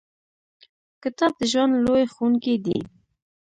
• کتاب د ژوند لوی ښوونکی دی.